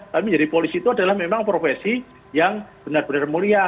tapi jadi polisi itu adalah memang profesi yang benar benar mulia